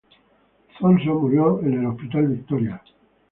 Thomson murió en el Hospital Victoria.